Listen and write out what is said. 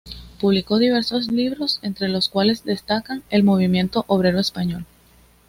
Publicó diversos libros, entre los cuales destacan: "El movimiento obrero español.